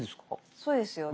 そうですよね。